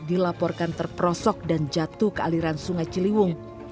dilaporkan terperosok dan jatuh ke aliran sungai ciliwung